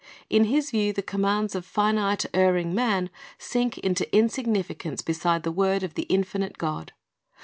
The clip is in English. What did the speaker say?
In his view the commands of finite, erring man sink into insignificance beside the word of the infinite God.